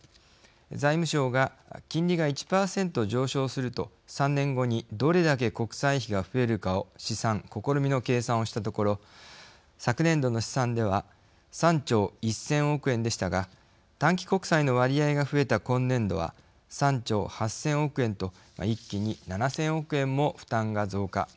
財務省が、金利が１％上昇すると３年後に、どれだけ国債費が増えるかを試算したところ昨年度の試算では３兆１０００億円でしたが短期国債の割合が増えた今年度は３兆８０００億円と一気に７０００億円も負担が増加。